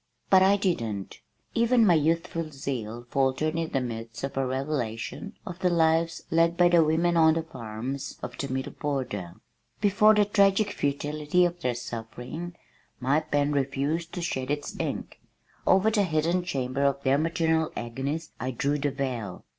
But I didn't! Even my youthful zeal faltered in the midst of a revelation of the lives led by the women on the farms of the middle border. Before the tragic futility of their suffering, my pen refused to shed its ink. Over the hidden chamber of their maternal agonies I drew the veil.